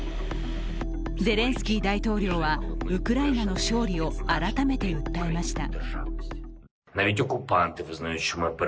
ゼレンスキー大統領は、ウクライナの勝利を改めて訴えました。